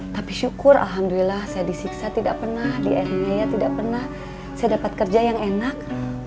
tapi syukur alhamdulillah saya disiksa tidak pernah dianiaya tidak pernah saya dapat kerja yang enak